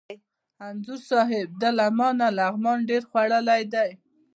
انځور صاحب! ده له ما نه لغمان ډېر خوړلی دی.